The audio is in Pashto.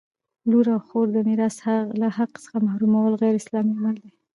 لور او خور د میراث له حق څخه محرومول غیراسلامي عمل دی!